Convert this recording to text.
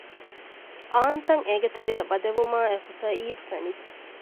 އާންތަށް އެގޭތެރެއަށް ވަދެވުމާއެކު ސަޢީދު ފެނިއްޖެ